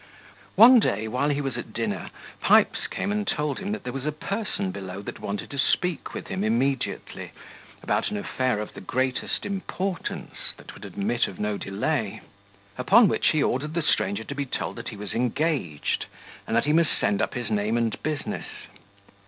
One day, while he was at dinner, Pipes came and told him that there was a person below that wanted to speak with him immediately, about an affair of the greatest importance, that would admit of no delay; upon which he ordered the stranger to be told that he was engaged, and that he must send up his name and business.